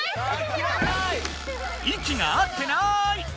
いきが合ってない！